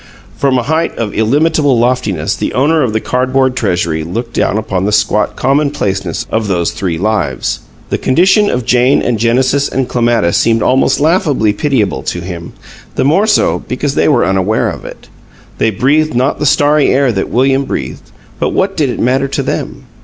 From a height of illimitable loftiness the owner of the cardboard treasury looked down upon the squat commonplaceness of those three lives. The condition of Jane and Genesis and Clematis seemed almost laughably pitiable to him, the more so because they were unaware of it. They breathed not the starry air that William breathed, but what did it matter to them?